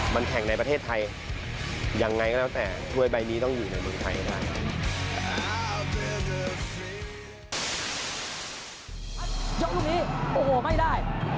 มันแข่งในประเทศไทยยังไงก็แล้วแต่ถ้วยใบนี้ต้องอยู่ในเมืองไทยได้